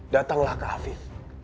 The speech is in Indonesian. datanglah ke afin